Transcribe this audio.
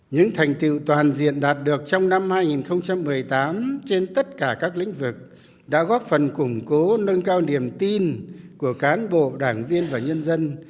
những thành tiệu toàn diện đạt được trong năm hai nghìn một mươi tám trên tất cả các lĩnh vực đã góp phần củng cố nâng cao niềm tin của cán bộ đảng viên và nhân dân